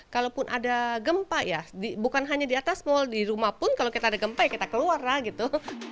kalaupun ada gempa ya bukan hanya di atas mal di rumah pun kalau kita ada gempa ya kita keluar lah gitu